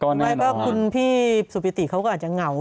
ต้องมีแต่คนในโซเชียลว่าถ้ามีข่าวแบบนี้บ่อยทำไมถึงเชื่อขนาดใด